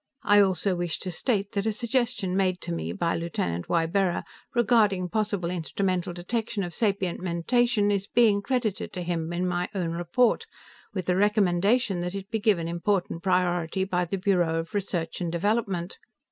I also wish to state that a suggestion made to me by Lieutenant Ybarra regarding possible instrumental detection of sapient mentation is being credited to him in my own report, with the recommendation that it be given important priority by the Bureau of Research and Development.